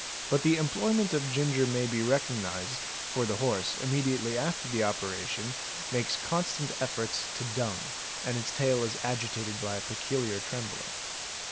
But the employment of ginger may be recognised, for the horse, immediately after the operation, makes constant efforts to dung, and its tail is agitated by a peculiar trembling.